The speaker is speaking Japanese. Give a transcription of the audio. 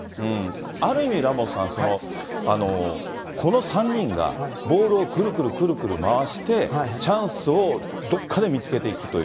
ある意味、ラモスさん、この３人がボールをくるくるくるくる回して、チャンスをどっかで見つけていくという。